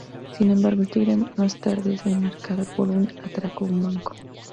Sin embargo, el Tigre más tarde es enmarcada por un atraco a un banco.